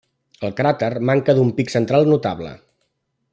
El cràter manca d'un pic central notable.